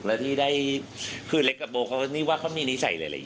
โบว์ที่ได้เล็กกับโบว์นี่ว่าเขามีนิสัยหลายอย่าง